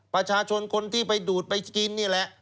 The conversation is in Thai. ประชาชนคนที่ไปดูดไปกินนี่แหละ